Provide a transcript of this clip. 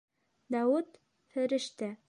Дауыт - фәрештә.